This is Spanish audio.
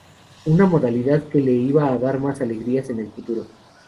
Una modalidad que le iba a dar más alegrías en el futuro.